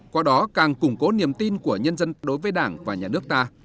qua đó càng củng cố niềm tin của nhân dân đối với đảng và nhà nước ta